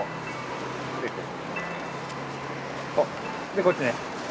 でこっちね。